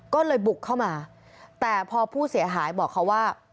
ก็เลยบุกเข้ามาแต่พอผู้เสียหายบอกเขาว่า